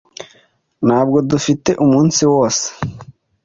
Ntabwo dufite umunsi wose.